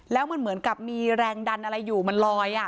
แล้วมันเหมือนกับมีแรงดันอะไรอยู่มันลอย